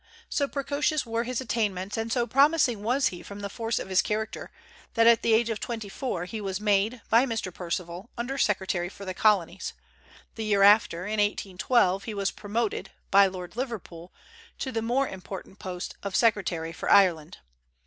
So precocious were his attainments, and so promising was he from the force of his character, that at the age of twenty four he was made, by Mr. Perceval, under secretary for the Colonies; the year after (in 1812) he was promoted, by Lord Liverpool, to the more important post of secretary for Ireland.